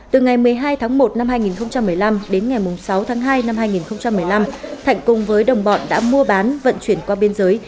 từ ngày một mươi hai tháng một năm hai nghìn một mươi năm đến ngày sáu tháng hai năm hai nghìn một mươi năm thạnh cùng với đồng bọn đã mua bán vận chuyển qua biên giới